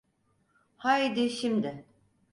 Haydi, şimdi.